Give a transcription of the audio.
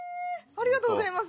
ありがとうございます！